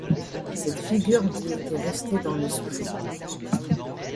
Cette figure lui était restée dans l’esprit.